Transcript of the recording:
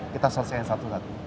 kita selesaikan satu satu